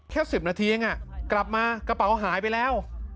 แค่สิบนาทีเนี่ยไงอ่ะกลับมากระเป๋าหายไปแล้ว